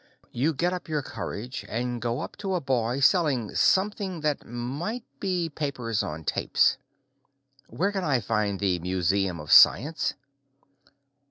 You get up your courage and go up to a boy selling something that might be papers on tapes. "Where can I find the Museum of Science?"